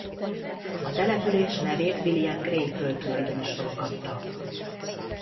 A település nevét William Gray földtulajdonosról kapta.